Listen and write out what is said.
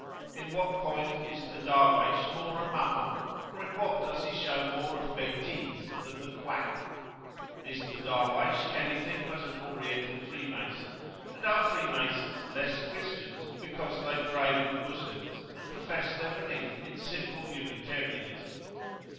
In what point is the Darwaysh more a mummer or in what does he show more of betise than the quack? Is the Darwaysh anything but an Oriental Freemason, and are Freemasons less Christians because they pray with Moslems and profess their belief in simple unitarianism?